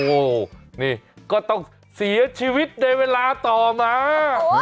โอ้โหนี่ก็ต้องเสียชีวิตในเวลาต่อมา